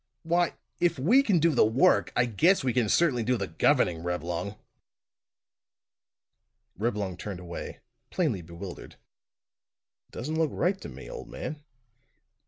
Why if we can do the work, I guess we can certainly do the governing, Reblong." Reblong turned away, plainly bewildered. "It doesn't look right to me, old man.